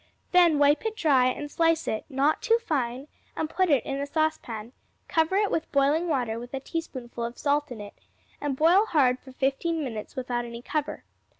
Then wipe it dry and slice it, not too fine, and put it in a saucepan; cover it with boiling water with a teaspoonful of salt in it, and boil hard for fifteen minutes without any cover.